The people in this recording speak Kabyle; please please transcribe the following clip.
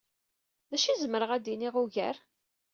D acu i zemreɣ ad iniɣ ugar?